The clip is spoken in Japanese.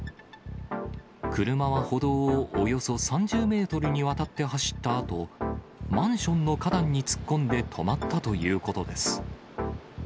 車は歩道をおよそ３０メートルにわたって走ったあと、マンションの花壇に突っ込んで止まったということです。